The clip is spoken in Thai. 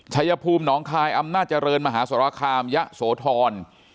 ชายภูมิหนองคายอำนาจเจริญมหาสรคามยะโสธร